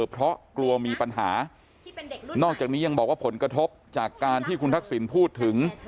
เพราะกลัวมีปัญหานอกจากนี้ยังบอกว่าผลกระทบจากการที่คุณทักษิณพูดถึง